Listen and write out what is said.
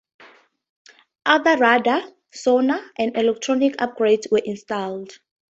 Other radar, sonar and electronics upgrades were installed.